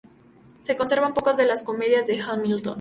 Se conservan pocas de las comedias de Hamilton.